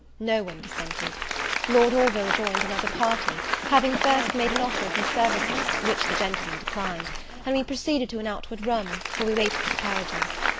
No one dissented. Lord Orville joined another party, having first made an offer of his services, which the gentlemen declined, and we proceeded to an outward room, where we waited for the carriages.